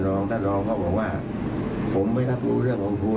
และก็ไม่ได้ยัดเยียดให้ทางครูส้มเซ็นสัญญา